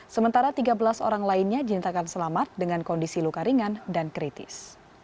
sementara tiga belas orang lainnya dinyatakan selamat dengan kondisi luka ringan dan kritis